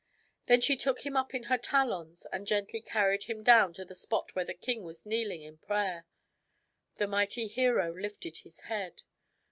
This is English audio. Then she took him up in her talons and gently carried him down to the spot where the king was kneeling in prayer. The mighty hero lifted his head.